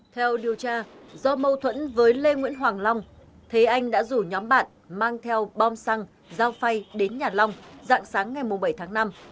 theo điều tra do mâu thuẫn với lê nguyễn hoàng long thế anh đã rủ nhóm bạn mang theo bom xăng dao phay đến nhà long dạng sáng ngày bảy tháng năm